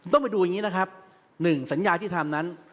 ต้องไปดูอย่างนี้นะครับ๑สัญญาที่ทำนั้น